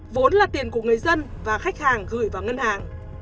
vốn là tiền của người dân và khách hàng gửi vào ngân hàng